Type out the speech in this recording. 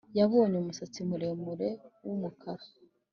yabonye umusatsi muremure wumukara